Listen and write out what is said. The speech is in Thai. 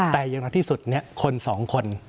แต่อย่างนั้นที่สุดคนสองคน